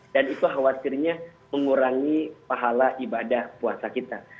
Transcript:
dan itu khawatirnya mengurangi pahala ibadah puasa kita